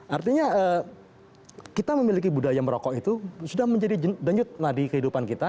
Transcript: artinya kita memiliki budaya merokok itu sudah menjadi denyut nadi kehidupan kita